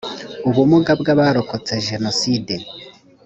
ubumuga bw abarokotse jenoside